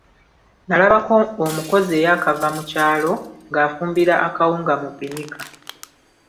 Nalabako omukozi eyakava mu kyalo ng'afumbira akawunga mu bbinika.